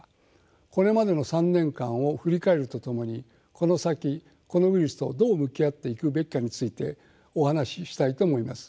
これまでの３年間を振り返るとともにこの先このウイルスとどう向き合っていくべきかについてお話ししたいと思います。